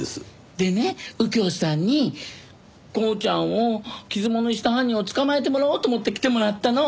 でね右京さんにコウちゃんを傷物にした犯人を捕まえてもらおうと思って来てもらったの。